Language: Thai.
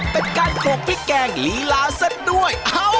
เป็นการปลูกพริกแกงลีลาเส้นด้วย